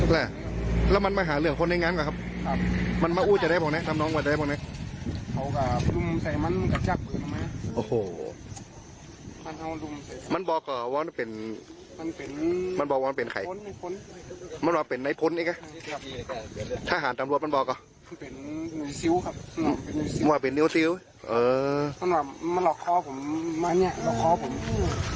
ทหารตำรวจมันบอกว่าเป็นนิ้วซิ้วมันหลอกคอผมหลอกคอผม